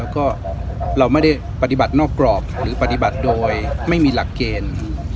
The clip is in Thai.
ก็เราไม่ได้ปฏิบัตินอกกรอบหรือปฏิบัติโดยไม่มีหลักเกณฑ์